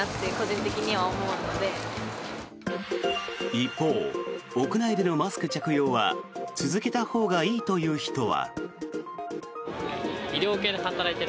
一方、屋内でのマスク着用は続けたほうがいいという人は。